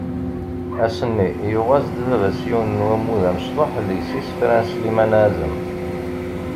Ass nni, yuγ-as-d baba-s yiwen n wammud amecṭuḥ deg-s isefra n Sliman Azem.